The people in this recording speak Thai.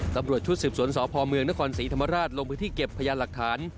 ตำรวจชุดสืบสวนสพเมืองนครศรีธรรมราชลงพื้นที่เก็บพยานหลักฐาน